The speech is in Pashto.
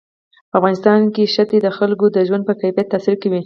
په افغانستان کې ښتې د خلکو د ژوند په کیفیت تاثیر کوي.